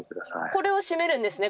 これを閉めるんですね